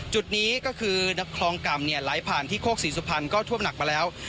จุดนี้ก็คือนักคลองกรรมเนี่ยไหลผ่านที่โคกษีสุภัณฑ์ก็ท่วมหนักมาแล้ว